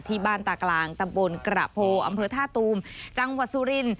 ที่บ้านตากลางตะบนกระโพอำเภอท่าตูมจังหวัดซูริน